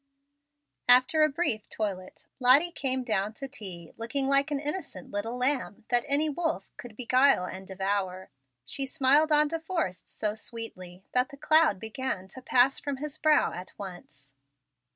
After a brief toilet, Lottie came down to tea looking like an innocent little lamb that any wolf could beguile and devour. She smiled on De Forrest so sweetly that the cloud began to pass from his brow at once.